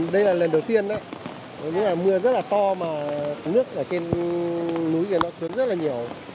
đây là lần đầu tiên đấy mưa rất là to mà nước ở trên núi kia nó tuyến rất là nhiều